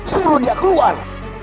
suruh dia keluar